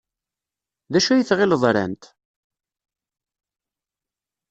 D acu ay tɣiled ran-t?